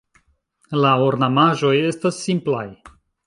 La ornamaĵoj estas simplaj.